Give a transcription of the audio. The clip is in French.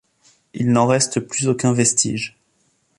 Il n'en reste plus aucun vestige.